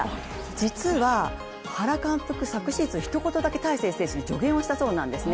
実は原監督、昨シーズン、ひと言だけ大勢選手に助言をしたそうなんですね。